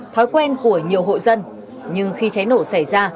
thói quen của nhiều hộ dân nhưng khi cháy nổ xảy ra